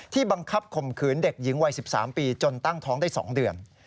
บังคับข่มขืนเด็กหญิงวัย๑๓ปีจนตั้งท้องได้๒เดือน